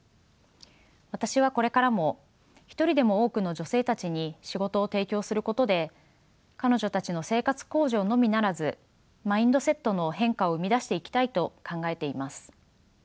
私はこれからも一人でも多くの女性たちに仕事を提供することで彼女たちの生活向上のみならずマインドセットの変化を生み出していきたいと考えています。